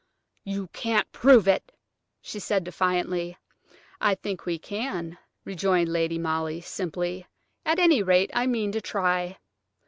"You can't prove it!" she said defiantly. "I think we can," rejoined Lady Molly, simply; "at any rate, I mean to try.